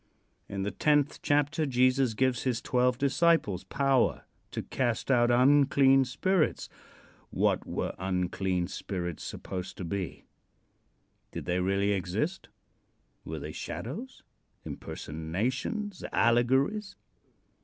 In the tenth chapter Jesus gives his twelve disciples power to cast out unclean spirits. What were unclean spirits supposed to be? Did they really exist? Were they shadows, impersonations, allegories?